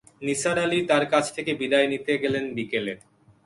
নিসার আলি তার কাছ থেকে বিদায় নিতে গেলেন বিকেলে।